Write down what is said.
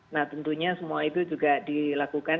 nah tentunya semua itu juga dilakukan